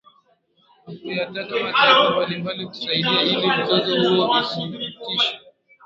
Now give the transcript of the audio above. na kuyataka mataifa mbalimbali kusaidia ili mzozo huo usitishwe